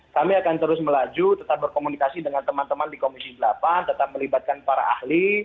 kami akan terus melaju tetap berkomunikasi dengan teman teman di komisi delapan tetap melibatkan para ahli